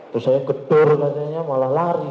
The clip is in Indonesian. terus saya gedul katanya malah lari